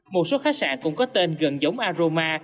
một số khách sạn cũng có tên gần giống aroma